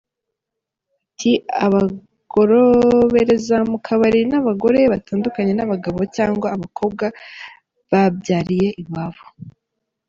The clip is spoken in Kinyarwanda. Ati “ Abagorobereza mu kabari ni abagore batandukanye n’ abagabo cyangwa abakobwa babyariye iwabo.